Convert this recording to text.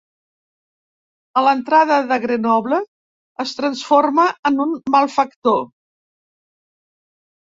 A l'entrada de Grenoble es transforma en un malfactor.